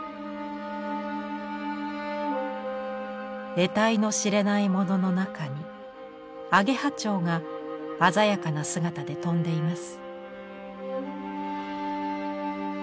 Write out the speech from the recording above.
得体の知れないものの中にアゲハチョウが鮮やかな姿で飛んでいます。